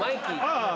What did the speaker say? ああ。